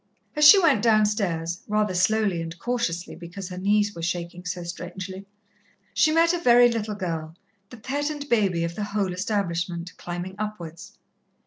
As she went downstairs, rather slowly and cautiously, because her knees were shaking so strangely, she met a very little girl, the pet and baby of the whole establishment, climbing upwards.